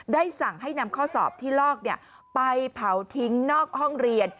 ได้สั่งให้นำข้อสอบที่ลอกไปเผาทิ้งนอกห้องเรียน